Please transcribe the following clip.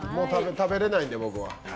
食べれないんで、僕は。